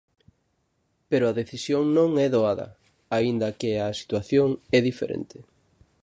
Pero a decisión non é doada, aínda que a situación é diferente.